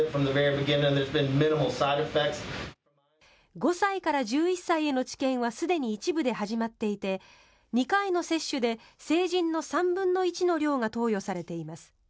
５歳から１１歳への治験はすでに一部で始まっていて２回の接種で成人の３分の１の量が投与されています。